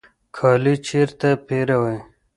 کالی چیرته پیرئ؟